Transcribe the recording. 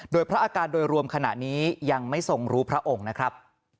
โดยพระอาการโดยรวมขณะนี้ยังไม่ทรงรู้พระองค์นะครับ